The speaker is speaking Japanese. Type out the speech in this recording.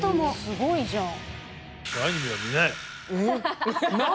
すごいじゃん。